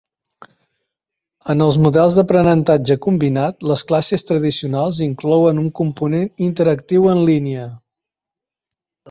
En els models d'aprenentatge combinat, les classes tradicionals inclouen un component interactiu en línia.